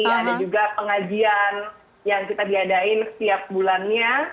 ada juga pengajian yang kita diadain setiap bulannya